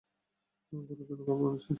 না, গরুর জন্য খাবার বানাচ্ছি।